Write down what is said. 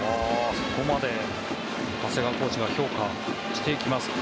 そこまで長谷川コーチが評価していきます。